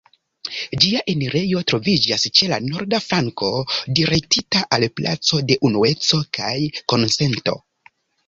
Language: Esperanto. Ĝia enirejo troviĝas ĉe la norda flanko, direktita al placo de Unueco kaj Konsento.